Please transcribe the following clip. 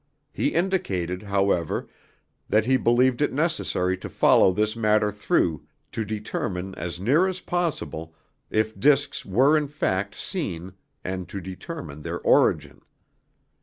He indicated, however, that he believed it necessary to follow this matter through to determine as near as possible if discs were in fact seen and to determine their origin.